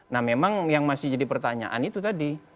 nah memang yang masih jadi pertanyaan itu tadi